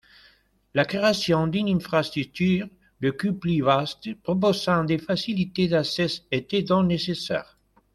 La création d'une infrastructure beaucoup plus vaste proposant des facilités d'accès était donc nécessaire.